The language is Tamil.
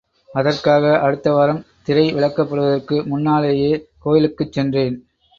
அதற்காக அடுத்த வாரம் திரை விலக்கப்படுவதற்கு முன்னாலேயே கோயிலுக்குச் சென்றேன்.